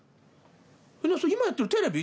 それ今やってるテレビ？」